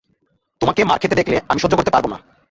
তোমাকে মার খেতে দেখলে আমি সহ্য করতে পারব না।